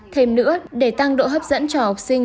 thêm nữa để tăng độ hấp dẫn cho học sinh